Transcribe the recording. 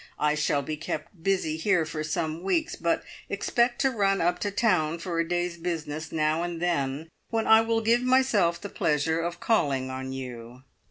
I shall be kept busy here for some weeks, but expect to run up to town for a day's business now and then, when I will give myself the pleasure of calling on you.